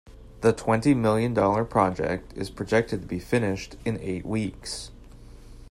The twenty million dollar project is projected to be finished in eight weeks.